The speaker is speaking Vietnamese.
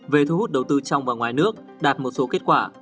về thu hút đầu tư trong và ngoài nước đạt một số kết quả